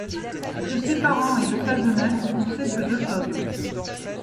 De ses parents et de sa jeunesse, on sait peu de choses.